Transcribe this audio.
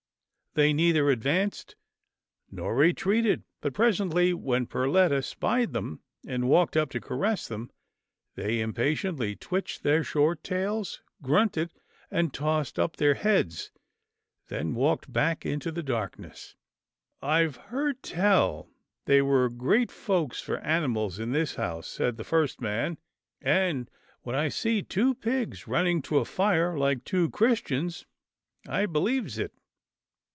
They neither ad vanced nor retreated, but presently, when Perletta spied them, and walked up to caress them, they impatiently twitched their short tails, grunted, and tossed up their heads, then walked back into the darkness. " Tve heard tell they were great folks for ani mals in this house," said the first man, " and when I sees two pigs running to a fire like two Chris tians, I believes it."